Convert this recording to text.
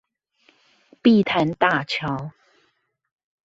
碧潭大橋